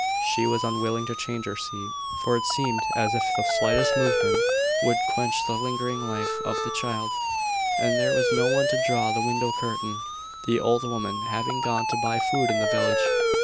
She was unwilling to change her seat, for it seemed as if the slightest movement would quench the lingering life of the child: and there was no one to draw the window curtain, the old woman having gone to buy food in the village.